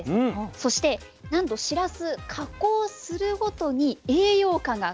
そしてなんとしらす加工するごとに栄養価が変わってきます。